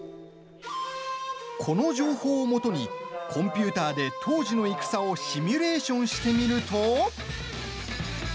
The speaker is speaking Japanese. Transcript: この情報を基にコンピューターで当時の戦をシミュレーションしてみると。